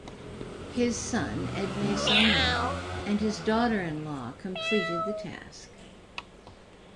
His son, Edme Sommier, and his daughter-in-law completed the task.